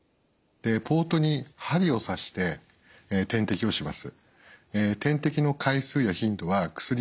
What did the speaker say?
ポートに針を刺して点滴をします。